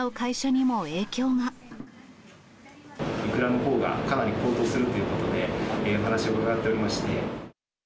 イクラのほうがかなり高騰するっていうことで、お話を伺っておりまして。